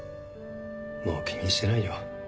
もう気にしてないよ。